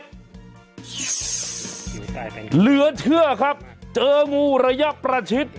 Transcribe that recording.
เหลือเชื่อครับเจองูระยะประชิด